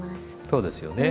そうですよね。